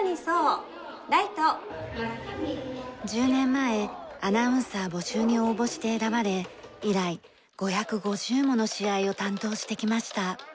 １０年前アナウンサー募集に応募して選ばれ以来５５０もの試合を担当してきました。